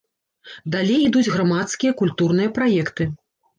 Далей ідуць грамадскія, культурныя праекты.